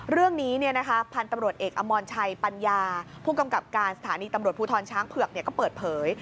เรื่องนี้พันธุ์ตำรวจเอกอมรชัยปัญญาผู้กำกับการสถานีตำรวจภูทรช้างเผือกก็เปิดเผย